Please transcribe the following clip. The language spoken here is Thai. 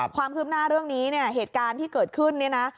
ความคืบหน้าเรื่องนี้เนี่ยเหตุการณ์ที่เกิดขึ้นเนี่ยนะ